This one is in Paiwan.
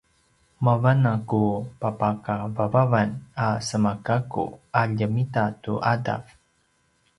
mavan a ku papakavavavan a semagakku a ljemita tu ’adav